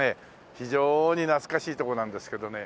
非常に懐かしい所なんですけどね。